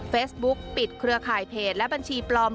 เฟซบุ๊กปิดเครือข่ายเพจและบัญชีปลอม